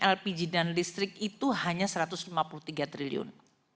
lpg dan listrik itu hanya satu ratus lima puluh tiga triliun